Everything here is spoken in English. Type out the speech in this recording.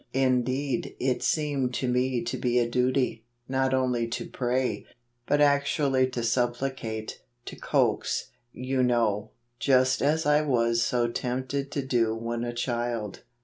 Indeed it seemed to me to be a duty, not only to pray, but actually to supplicate, to coax, you know, just as I was so tempted to do when a child.